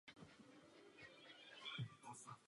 Je třeba uznat, že odolalo řadě otřesů na trhu.